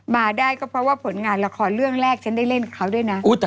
มาได้ก็เพราะว่าผลงานละครเรื่องแรกฉันได้เล่นกับเขาด้วยนะ